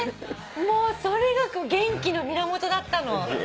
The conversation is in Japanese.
もうそれが元気の源だったの。